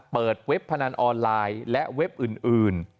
เว็บพนันออนไลน์และเว็บอื่น